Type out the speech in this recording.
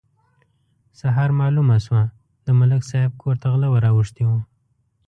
سهار مالومه شوه: د ملک صاحب کور ته غله ور اوښتي وو.